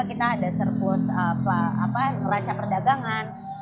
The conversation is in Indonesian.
kita ada surplus apa apa meraca perdagangan